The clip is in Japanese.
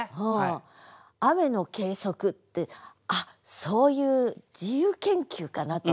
「雨の計測」って「あっそういう自由研究かな？」と。